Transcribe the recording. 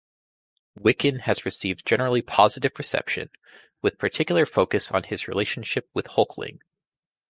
Wiccan has received generally positive reception, with particular focus on his relationship with Hulkling.